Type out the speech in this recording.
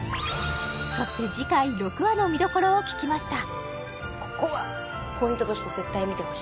そして次回６話の見どころを聞きました